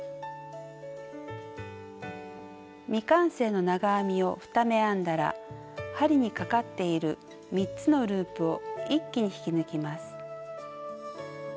未完成の長編みを２目編んだら針にかかっている３つのループを一気に引き抜きます。